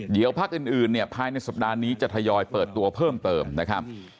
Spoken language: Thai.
เดี๋ยวพักอื่นเนี่ยภายในสัปดาห์นี้จะทยอยเปิดตัวเพิ่มเติมนะครับ